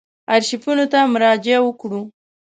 آرشیفونو ته مراجعه وکړو.